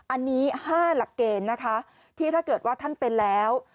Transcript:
อันนี้๕หลักเกณฑ์นะคะที่ถ้าเกิดว่าท่านเป็นแล้ว